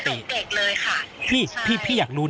ที่โพสต์ก็คือเพื่อต้องการจะเตือนเพื่อนผู้หญิงในเฟซบุ๊คเท่านั้นค่ะ